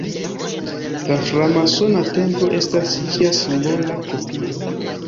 La framasona templo estas ĝia simbola kopio.